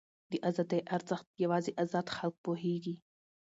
د ازادۍ ارزښت یوازې ازاد خلک پوهېږي.